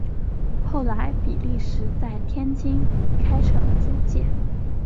后来比利时在天津开设了租界。